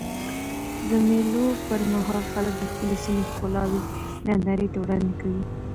د مېلو پر مهال خلک د خپلي سیمي ښکلاوي نندارې ته وړاندي کوي.